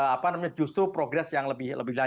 apa namanya justru progres yang lebih lebih luas